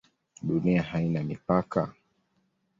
Dunia haina mipaka?